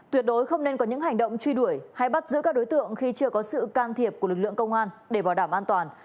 tuyệt đối không nên có những hành động truy đuổi hay bắt giữ các đối tượng khi chưa có sự can thiệp của lực lượng công an để bảo đảm an toàn